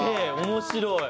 面白い！